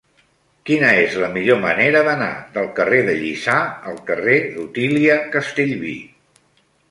Quina és la millor manera d'anar del carrer de Lliçà al carrer d'Otília Castellví?